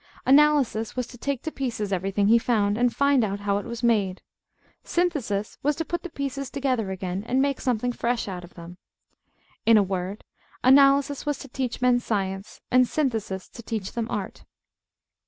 Analysis was to take to pieces everything he found, and find out how it was made. Synthesis was to put the pieces together again, and make something fresh out of them. In a word, Analysis was to teach men Science; and Synthesis to teach them Art.